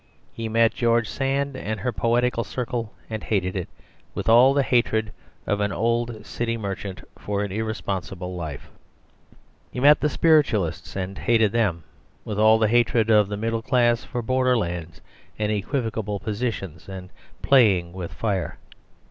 He met George Sand and her poetical circle and hated it, with all the hatred of an old city merchant for the irresponsible life. He met the Spiritualists and hated them, with all the hatred of the middle class for borderlands and equivocal positions and playing with fire.